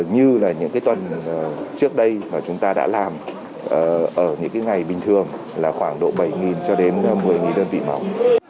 như là những tuần trước đây mà chúng ta đã làm ở những ngày bình thường là khoảng độ bảy cho đến một mươi đơn vị máu